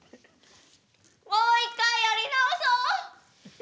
もう一回やり直そう！